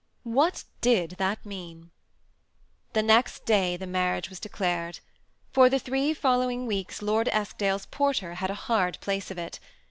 What did that mean ? The next day the marriage was declared. For the three following weeks Lord Eskdale's porter had a hard place of it.